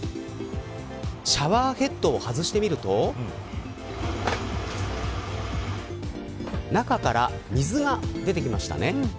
シャワーヘッドを外してみると中から水が出てきましたね。